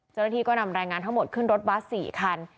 เจ้าหน้าที่ก็นำแรงงานทั้งหมดขึ้นรถบัส๔คัน